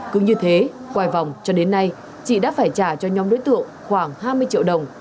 cứ như thế quay vòng cho đến nay chị đã phải trả cho nhóm đối tượng khoảng hai mươi triệu đồng